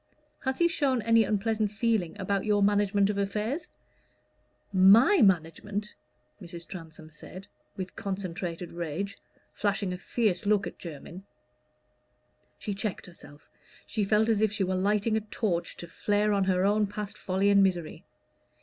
"Has he shown any unpleasant feeling about your management of affairs?" "My management!" Mrs. Transome said, with concentrated rage, flashing a fierce look at Jermyn. She checked herself: she felt as if she were lighting a torch to flare on her own past folly and misery.